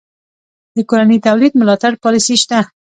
د کورني تولید ملاتړ پالیسي شته؟